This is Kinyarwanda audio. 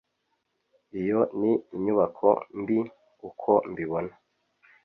Iyo ni inyubako mbi, uko mbibona.